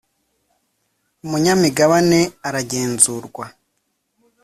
Umunyamigabane aragenzurwa .